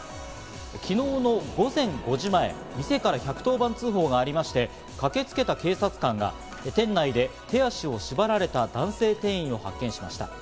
昨日の午前５時前、店から１１０番通報がありまして、駆けつけた警察官が店内で手足を縛られた男性店員を発見しました。